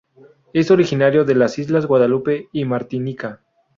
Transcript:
Es originario de las islas Guadalupe y Martinica.